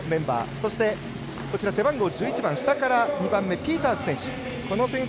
そして、背番号１１番下から２番目ピータース選手